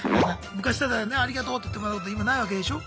昔だったらねありがとうって言ってもらえたけど今ないわけでしょ？